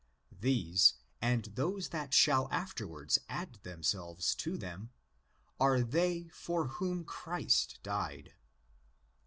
These, and those that shall afterwards add themselves to them, οἱ τοῦ Χριστοῦ, are they for whom Christ died.